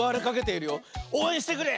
おうえんしてくれ！